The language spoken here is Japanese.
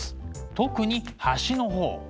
特に端の方。